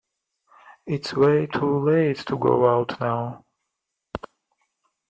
It's way too late to go out now.